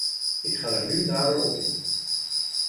Ik ga daar nu nader op in.